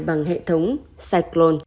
bằng hệ thống cyclone